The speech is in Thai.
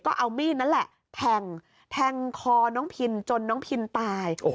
ก็เอามีดนั่นแหละแทงแทงคอน้องพินจนน้องพินตาย